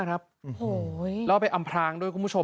แล้วเอาไปอำพรางด้วยคุณผู้ชม